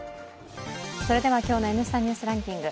今日の「Ｎスタ・ニュースランキング」